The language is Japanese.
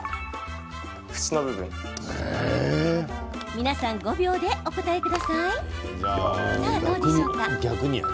皆さん、５秒でお答えください。